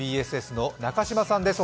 ＢＳＳの中島さんです。